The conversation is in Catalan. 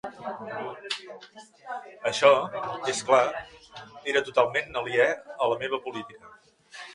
Això, és clar, era totalment aliè a la meva política.